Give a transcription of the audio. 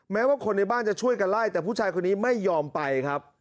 แม้ว่าคนในบ้านจะช่วยกันไล่แต่ผู้ชายคนนี้ไม่ยอมไปครับ